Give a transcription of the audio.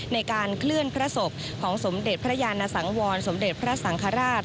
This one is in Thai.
ในการเคลื่อนพระศพของสมเด็จพระยานสังวรสมเด็จพระสังฆราช